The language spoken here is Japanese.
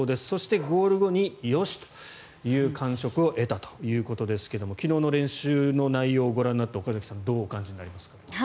そして、ゴール後によしという感触を得たということですが昨日の練習の内容をご覧になって岡崎さんどうお感じになりますか？